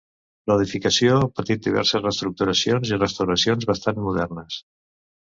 L'edificació ha patit diverses reestructuracions i restauracions bastant modernes.